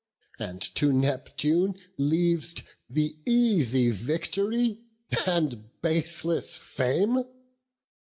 and to Neptune leav'st The easy victory and baseless fame?